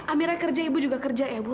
amira kerja ibu juga kerja ya ibu